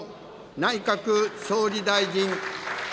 内閣総理大臣。